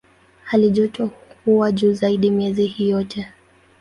Halijoto huwa juu zaidi miezi hii yote.